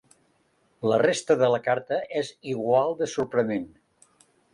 La resta de la carta és igual de sorprenent.